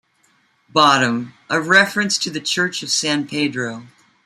Bottom: A reference to the Church of San Pedro.